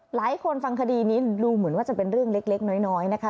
ฟังคดีนี้ดูเหมือนว่าจะเป็นเรื่องเล็กน้อยนะคะ